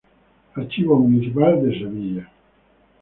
Archivo Municipal de Sevilla.